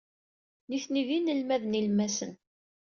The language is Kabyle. Nitni d inelmaden ilemmasen.